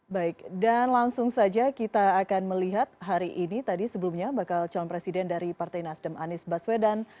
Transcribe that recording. baik dan langsung saja kita akan melihat hari ini tadi sebelumnya bakal calon presiden dari partai nasdem anies baswedan